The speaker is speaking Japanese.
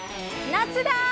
夏だ！